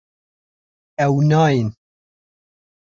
Ew nayên